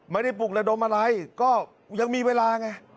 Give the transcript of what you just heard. ปลุกระดมอะไรก็ยังมีเวลาไง